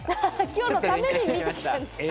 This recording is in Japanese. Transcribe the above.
今日のために見てきたんですか。